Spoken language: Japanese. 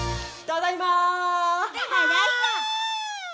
ただいま！